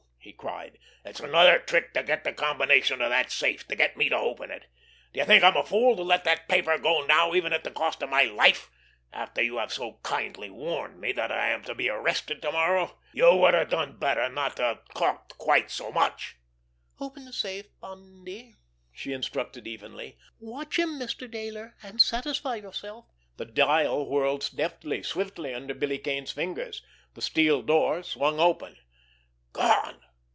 he cried. "It's another trick to get the combination of that safe, to get me to open it! Do you think I'm a fool to let that paper go now, even at the cost of my life, after you have so kindly warned me that I am to be arrested to morrow? You would have done better not to have talked quite so much!" "Open the safe, Bundy!" she instructed evenly. "Watch him, Mr. Dayler, and satisfy yourself." The dial whirled deftly, swiftly, under Billy Kane's fingers. The steel door swung open. "_Gone!